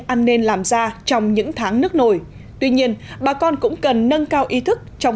ăn nên làm ra trong những tháng nước nổi tuy nhiên bà con cũng cần nâng cao ý thức trong